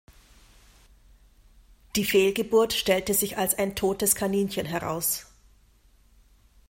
Die Fehlgeburt stellte sich als ein totes Kaninchen heraus.